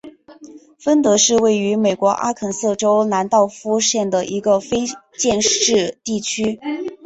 芬德是位于美国阿肯色州兰道夫县的一个非建制地区。